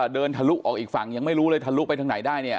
ทะลุออกอีกฝั่งยังไม่รู้เลยทะลุไปทางไหนได้เนี่ย